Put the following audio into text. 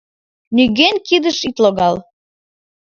Нигӧн кидыш ит логал.